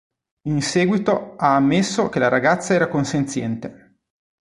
In seguito ha ammesso che la ragazza era consenziente.